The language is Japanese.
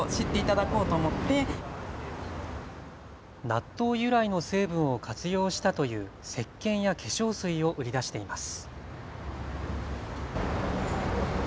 納豆由来の成分を活用したというせっけんや化粧水を売り出しています。